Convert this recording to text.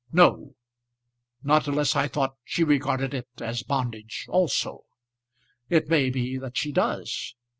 "No; not unless I thought she regarded it as bondage also. It may be that she does.